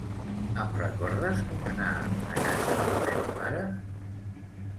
Em recordes com anar a casa de la meva mare?